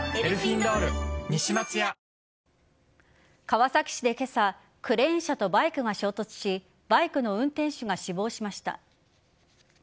川崎市で今朝クレーン車とバイクが衝突しバイクの運転手が死亡しました。